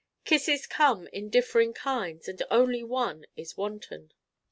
Kisses come in differing kinds and only one is Wanton.